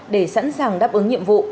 để sẵn sàng đáp ứng nhiệm vụ